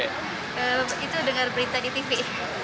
itu dengar berita di tv